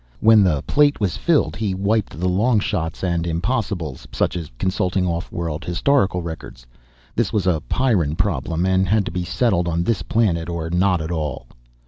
When the plate was filled he wiped the long shots and impossibles such as consulting off world historical records. This was a Pyrran problem, and had to be settled on this planet or not at all.